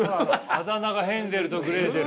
あだ名がヘンゼルとグレーテル。